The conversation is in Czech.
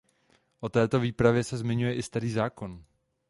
O této výpravě se zmiňuje i Starý zákon.